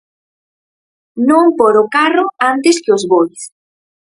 Non pór o carro antes que os bois.